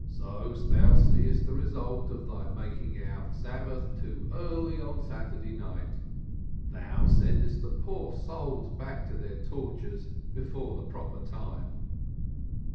"So thou seest the result of thy making out Sabbath too early on Saturday night, thou sendest the poor souls back to their tortures before the proper time."